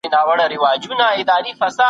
نورو عواملو هم د پرمختګ تر څنګ مرسته وکړه.